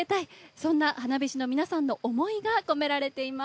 そんな花火師の思いが込められています。